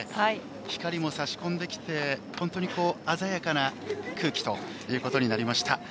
光も差し込んできて本当に鮮やかな空気ということになりました。